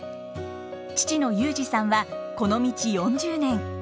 父の祐自さんはこの道４０年。